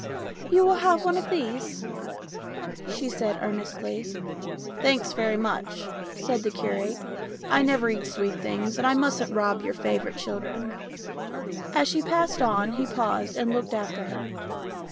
"You will have one of these?" she said earnestly. " Thanks very much," said the curate, " I never eat sweet things, and I mustn't rob your favourite children." As she passed on he paused and looked after her.